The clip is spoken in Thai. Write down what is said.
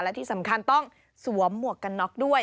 และที่สำคัญต้องสวมหมวกกันน็อกด้วย